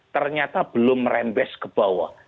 ternyata belum merembes ke bawah